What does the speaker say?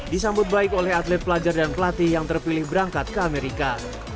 disambut baik oleh atlet pelajar dan pelatih yang terpilih berangkat ke amerika